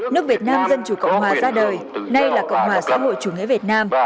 nước việt nam dân chủ cộng hòa ra đời nay là cộng hòa xã hội chủ nghĩa việt nam